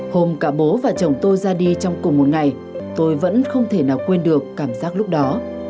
hôm cả bố và chồng tôi ra đi trong cùng một ngày tôi vẫn không thể nào quên được cảm giác lúc đó